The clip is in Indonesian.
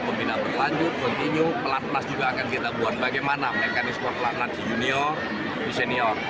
pembina berlanjut kontinyu pelat pelat juga akan kita buat bagaimana mekanisme pelatnat junior senior